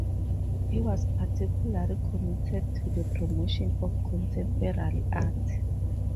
He was particularly committed to the promotion of contemporary art.